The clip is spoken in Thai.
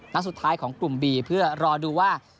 นัดสุดท้ายของกลุ่มบีเพื่อรอดูว่า